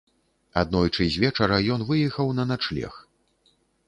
Аднойчы звечара ён выехаў на начлег.